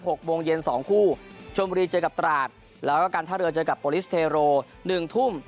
หกโมงเย็นสองคู่ชมรีเจอกับตราดแล้วก็กันท่าเรือเจอกับหนึ่งทุ่ม